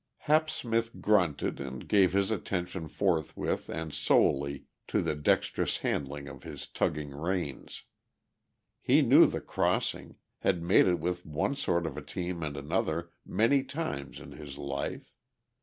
Hap Smith grunted and gave his attention forthwith and solely to the dexterous handling of his tugging reins. He knew the crossing; had made it with one sort of a team and another many times in his life.